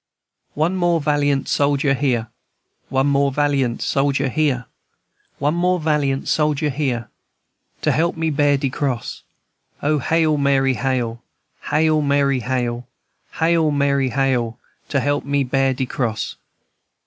"One more valiant soldier here, One more valiant soldier here, One more valiant soldier here, To help me bear de cross. O hail, Mary, hail! Hail, Mary, hail! Hail, Mary, hail! To help me bear de cross."